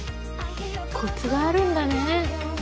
コツがあるんだね。